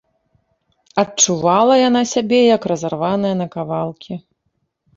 Адчувала яна сябе, як разарваная на кавалкі.